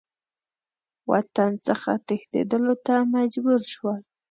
وطن څخه تښتېدلو ته مجبور شول.